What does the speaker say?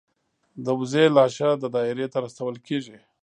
د وزې لاشه د دایرې ته رسول کیږي.